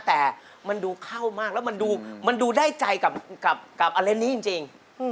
แต่มันดูเข้ามากแล้วมันดูได้ใจกับอารมณ์นี้จริง